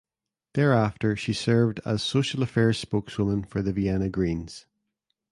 Thereafter she served as social affairs spokeswoman for the Vienna Greens.